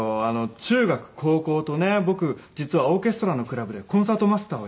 中学高校とね僕実はオーケストラのクラブでコンサートマスターをやっていて。